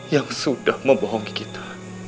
yang sudah membohongi kita